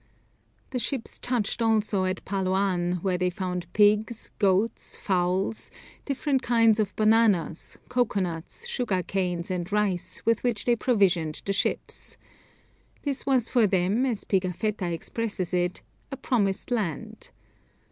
The ships touched also at Paloan, where they found pigs, goats, fowls, different kinds of bananas, cocoa nuts, sugar canes, and rice, with which they provisioned the ships. This was for them, as Pigafetta expresses it, "a promised land."